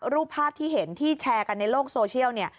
รูปภาพที่เห็นที่แชร์กันในโลกโซเชียลเนี่ย